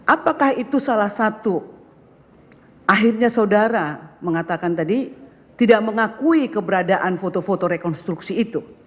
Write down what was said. apakah itu salah satu akhirnya saudara mengatakan tadi tidak mengakui keberadaan foto foto rekonstruksi itu